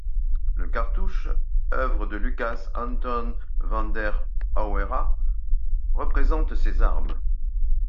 Le cartouche, œuvre de Lukas Anton van der Auwera, représente ses armes.